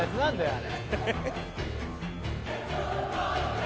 あれ。